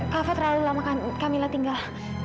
kakak terlalu lama kakak tinggal